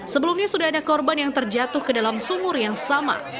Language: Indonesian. sebelumnya sudah ada korban yang terjatuh ke dalam sumur yang sama